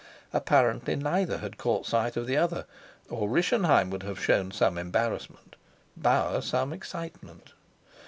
Apparently neither had caught sight of the other, or Rischenheim would have shown some embarrassment, Bauer some excitement.